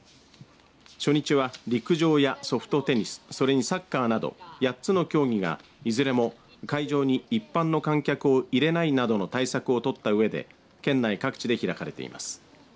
初日は、陸上やソフトテニスそれにサッカーなど８つの競技がいずれも会場に一般の観客を入れないなどの対策を取ったうえで県内各地で開かれています。